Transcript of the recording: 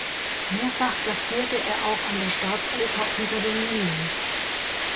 Mehrfach gastierte er auch an der Staatsoper Unter den Linden.